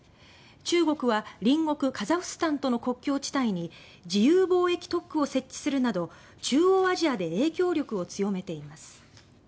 中国は隣国カザフスタンとの国境地帯に自由貿易特区を設置するなど中央アジアで影響力を強めています。